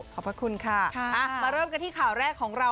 พระคุณค่ะมาเริ่มกันที่ข่าวแรกของเรา